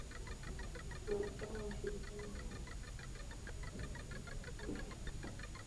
Ni mwanachama wa ushirikiano wa masoko ya hisa ya Afrika.